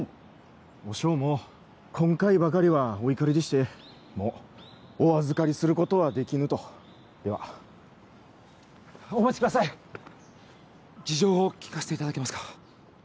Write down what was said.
・和尚も今回ばかりはお怒りでしてもうお預かりすることはできぬとではお待ちください事情を聞かせていただけますか？